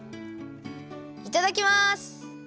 いただきます！